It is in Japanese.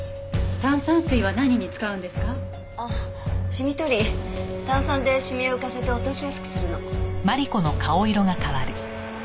炭酸で染みを浮かせて落としやすくするの。